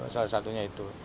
salah satunya itu